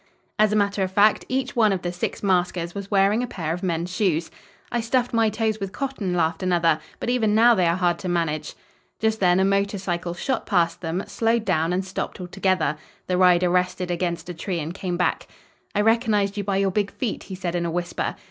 As a matter of fact, each one of the six maskers was wearing a pair of men's shoes. "I stuffed my toes with cotton," laughed another, "but even now they are hard to manage." Just then a motor cycle shot past them, slowed down and stopped altogether. The rider rested it against a tree and came back. "I recognized you by your big feet," he said in a whisper.